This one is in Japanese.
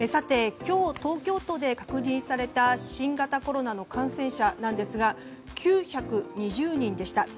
今日、東京都で確認された新型コロナの感染者なんですが９２０人でした。